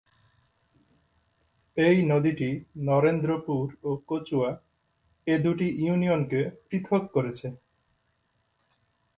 এই নদীটি নরেন্দ্রপুর ও কচুয়া এ দু'টি ইউনিয়নকে পৃথক করেছে।